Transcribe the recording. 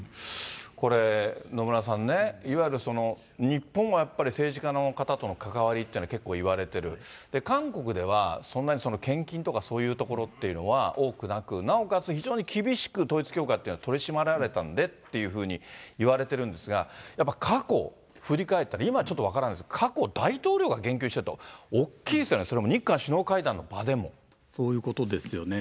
これ、野村さんね、いわゆる日本はやっぱり、政治家の方との関わりっていうのは結構言われてる、韓国ではそんなに献金とかそういうところっていうのは多くなく、なおかつ非常に厳しく統一教会というのは取り締まられたんでっていうふうにいわれてるんですが、やっぱり過去振り返ったら、今、ちょっと分からないですが、過去、大統領が言及してると、大きいですよね、そういうことですよね。